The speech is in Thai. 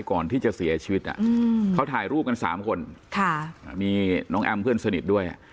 ก่อนที่จะเสียชีวิตเขาถ่ายรูปกัน๓คนมีน้องแอมเพื่อนสนิทด้วย